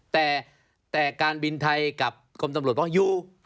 แต่การบินไทยกับกรมตำรวจบอกอยู่